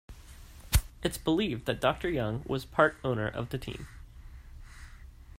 It's believed that Doctor Young was part owner of the team.